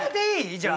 じゃあ。